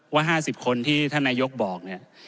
ว่า๕๐คนที่ท่านายกบอก